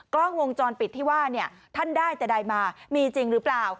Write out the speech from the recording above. กล้องวงจรปิดที่ว่าเนี่ยท่านได้แต่ใดมามีจริงหรือเปล่า